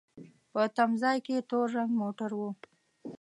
په تم ځای کې تور رنګ موټر و.